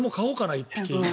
１匹。